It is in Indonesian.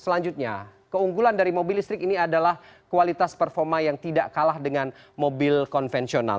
selanjutnya keunggulan dari mobil listrik ini adalah kualitas performa yang tidak kalah dengan mobil konvensional